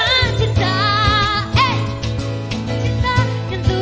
kata cinta yang tumbuh di setiap saat